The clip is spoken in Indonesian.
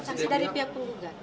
saksi dari pihak penggugat